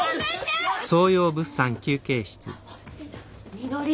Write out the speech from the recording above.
みのり